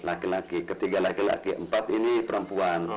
laki laki ketiga laki laki empat ini perempuan